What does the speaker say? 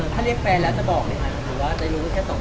ถ้าเรียกแฟนแล้วจะบอกไหมคะหรือว่าจะรู้แค่สองคน